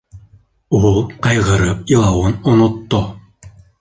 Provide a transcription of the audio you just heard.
Ул ҡайғырып илауын онотто.